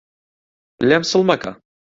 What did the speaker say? لێم سڵ مەکە